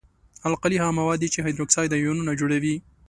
القلي هغه مواد دي چې هایدروکساید آیونونه جوړوي.